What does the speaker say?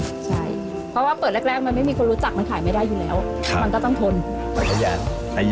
ใช่เพราะว่าเปิดแรกมันไม่มีคนรู้จักมันขายไม่ได้อยู่แล้ว